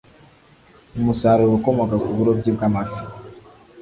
Umusaruro ukomoka ku burobyi bwamafi